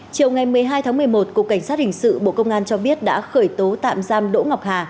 chiều ngày một mươi hai tháng một mươi một cục cảnh sát hình sự bộ công an cho biết đã khởi tố tạm giam đỗ ngọc hà